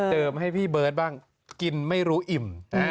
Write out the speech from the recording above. ให้พี่เบิร์ตบ้างกินไม่รู้อิ่ม